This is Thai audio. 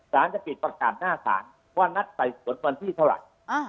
จะปิดประกาศหน้าศาลว่านัดไต่สวนวันที่เท่าไหร่